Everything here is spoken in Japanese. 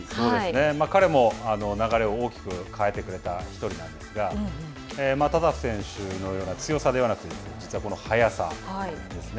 彼も流れを大きく変えてくれた１人なんですがタタフ選手のような強さではなくて実はこの速さですね。